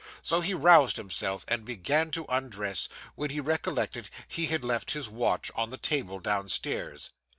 So he roused himself, and began to undress, when he recollected he had left his watch on the table downstairs.